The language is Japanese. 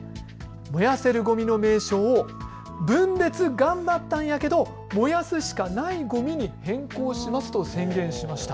燃やせるごみの名称を分別頑張ったんやけど、燃やすしかないごみに変更しますと宣言しました。